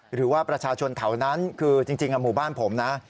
หรือว่าประชาชนแถวนั้นคือจริงหมู่บ้านผมนะ